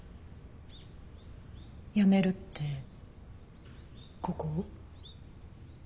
やめるってここを？